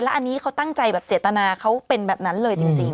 อันนี้เขาตั้งใจแบบเจตนาเขาเป็นแบบนั้นเลยจริง